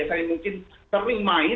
yang biasanya mungkin sering main